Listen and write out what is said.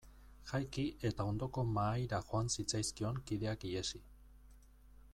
Jaiki eta ondoko mahaira joan zitzaizkion kideak ihesi.